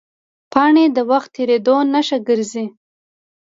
پاڼې د وخت تېرېدو نښه ګرځي